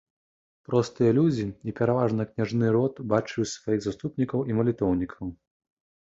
Простыя людзі і пераважна княжы род бачылі ў іх сваіх заступнікаў і малітоўнікаў.